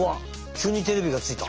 きゅうにテレビがついた。